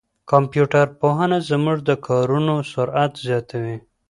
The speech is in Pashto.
کمپيوټر پوهنه زموږ د کارونو سرعت زیاتوي.